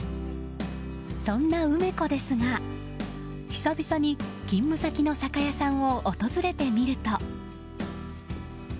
そんな梅子ですが久々に勤務先の酒屋さんを訪れてみると。